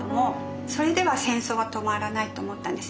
それでは戦争は止まらないと思ったんですね。